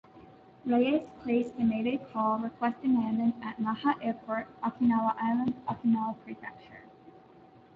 Reyes placed the Mayday call, requesting landing at Naha Airport, Okinawa Island, Okinawa Prefecture.